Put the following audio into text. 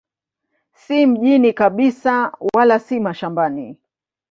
Si mjini kabisa wala si mashambani.